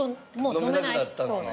飲めなくなったんですね。